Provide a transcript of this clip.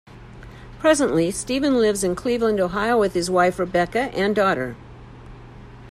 Presently, Stephen lives in Cleveland, Ohio with his wife Rebecca, and daughter.